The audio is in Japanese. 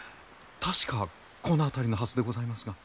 確かこの辺りのはずでございますが。